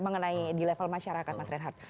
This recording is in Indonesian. mengenai di level masyarakat mas reinhardt